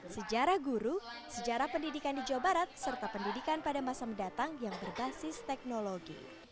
sejarah guru sejarah pendidikan di jawa barat serta pendidikan pada masa mendatang yang berbasis teknologi